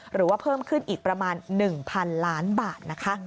หรือว่าเพิ่มขึ้นอีกประมาณ๑๐๐๐ล้านบาทนะคะ